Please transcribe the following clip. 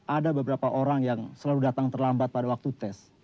ada beberapa orang yang selalu datang terlambat pada waktu tes